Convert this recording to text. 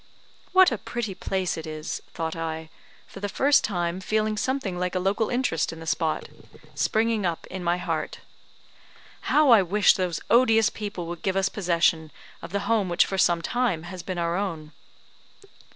"What a pretty place it is!" thought I, for the first time feeling something like a local interest in the spot, springing up in my heart. "How I wish those odious people would give us possession of the home which for some time has been our own."